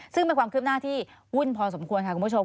ซึ่งเป็นความคืบหน้าที่วุ่นพอสมควรค่ะคุณผู้ชม